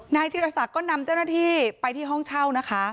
ธิรศักดิ์ก็นำเจ้าหน้าที่ไปที่ห้องเช่านะคะ